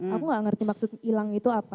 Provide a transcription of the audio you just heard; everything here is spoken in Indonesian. aku enggak mengerti maksud hilang itu apa